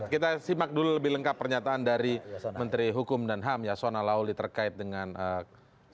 kita simak dulu lebih lengkap pernyataan dari menteri hukum dan ham yasona lauli terkait dengan kasus ini